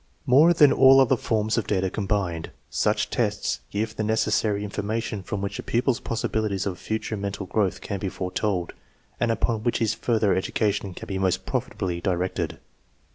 More than all other forms of data combined, such tests give the necessary information from which a pupil's possibilities of future mental growth can be foretold, and upon which his further education can be most profitably directed.